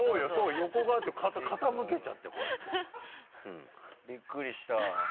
横側って傾けちゃってこうやってびっくりした。